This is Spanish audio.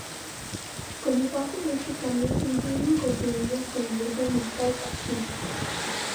Como parte de este cambio se incluyen cortinillas con el grupo musical Parchís.